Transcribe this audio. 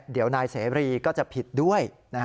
เดี๋ยวนายเสรีก็จะผิดด้วย